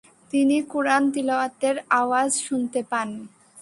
তিনি কুরআন তিলাওয়াতের আওয়াজ শুনতে পান।